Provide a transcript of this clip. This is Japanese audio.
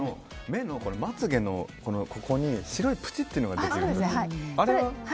目のまつ毛のここに白いプチっていうのができるんですけど、あれは。